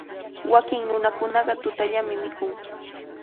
Wakin nunakunaqa tutallami mikun.